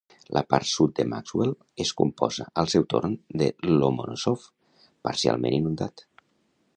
La part sud de Maxwell es composa al seu torn de Lomonosov, parcialment inundat.